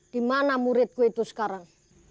di mana muridku itu sekarang